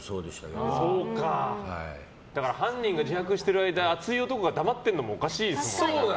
犯人が自白してる間熱い男が黙ってるのもおかしいですもんね。